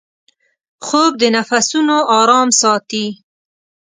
خوب د نفسونـو آرام ساتي